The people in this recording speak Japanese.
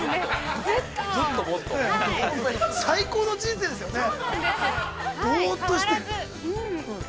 ◆最高の人生ですよね。